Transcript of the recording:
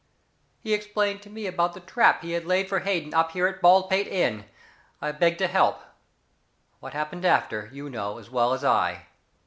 He explained to me about the trap he had laid for Hayden up here at Baldpate Inn. I begged to help. What happened after, you know as well as I."